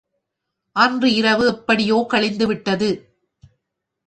அன்று இரவு எப்படியோ கழிந்துவிட்டது.